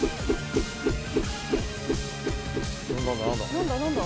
何だ何だ？